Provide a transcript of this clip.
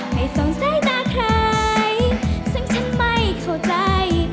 ไม่สงสัยตาใครซึ่งฉันไม่เข้าใจ